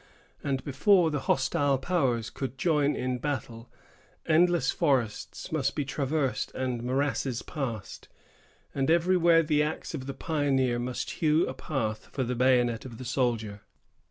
And before the hostile powers could join in battle, endless forests must be traversed, and morasses passed, and everywhere the axe of the pioneer must hew a path for the bayonet of the soldier.